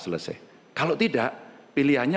selesai kalau tidak pilihannya